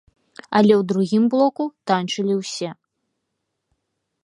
Але ў другім блоку танчылі ўсе!